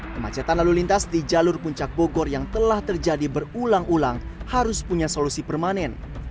kemacetan lalu lintas di jalur puncak bogor yang telah terjadi berulang ulang harus punya solusi permanen